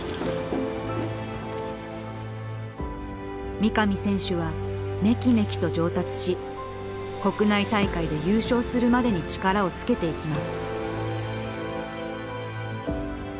三上選手はめきめきと上達し国内大会で優勝するまでに力をつけていきます。